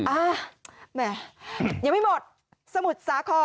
อ้าวแมมยังไม่หมด